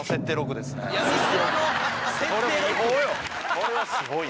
これはすごいね。